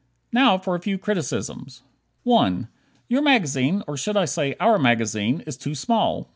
Now for a few criticisms: 1. Your magazine (or should I say "our" magazine?) is too small.